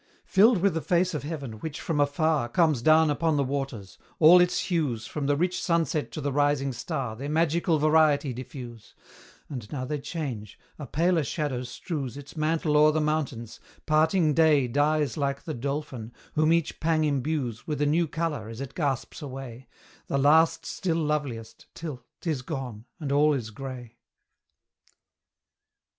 Filled with the face of heaven, which, from afar, Comes down upon the waters; all its hues, From the rich sunset to the rising star, Their magical variety diffuse: And now they change; a paler shadow strews Its mantle o'er the mountains; parting day Dies like the dolphin, whom each pang imbues With a new colour as it gasps away, The last still loveliest, till 'tis gone and all is grey.